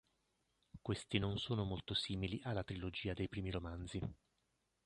Questi non sono molto simili alla trilogia dei primi romanzi.